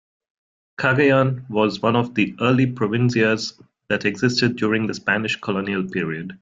Cagayan was one of the early "provincia"s that existed during the Spanish Colonial Period.